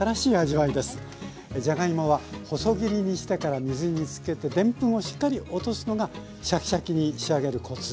じゃがいもは細切りにしてから水につけてでんぷんをしっかり落とすのがシャキシャキに仕上げるコツ。